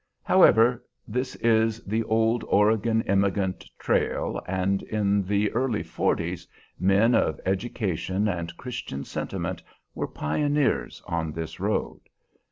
However, this is the old Oregon emigrant trail, and in the early forties men of education and Christian sentiment were pioneers on this road.